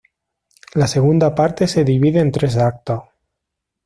La segunda parte se divide en tres actos.